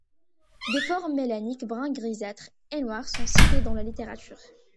Des formes mélaniques brun grisâtre et noires sont citées dans la littérature.